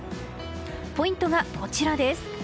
ポイントがこちらです。